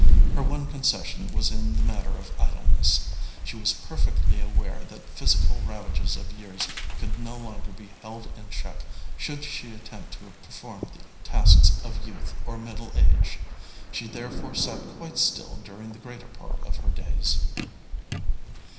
Her one concession was in the matter of idleness. She was perfectly aware that physical ravages of years could no longer be held in check should she attempt to perform the tasks of youth or middle age. She therefore sat quite still during the greater part of her days.